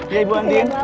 ya ibu andien